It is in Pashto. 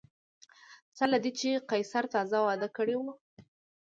سره له دې چې قیصر تازه واده کړی و